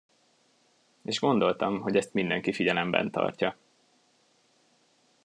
És gondoltam, hogy ezt mindenki figyelemben tartja.